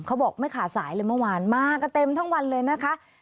เขาบอกไม่ขาดสายเลยเมื่อวานมากันเต็มทั้งวันเลยนะคะ